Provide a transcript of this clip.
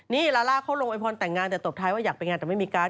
นี่ลาล่าเขาลงโวยพรแต่งงานแต่ตบท้ายว่าอยากไปงานแต่ไม่มีการ